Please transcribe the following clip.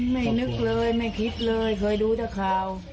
ไม่นึกเลยไม่คิดเลยเคยดูแต่ข่าว